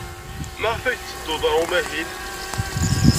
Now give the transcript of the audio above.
Maɣef ay tetteddud ɣer umahil?